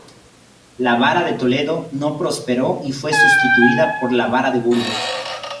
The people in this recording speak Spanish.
La vara de Toledo no prosperó y fue sustituida por la vara de Burgos.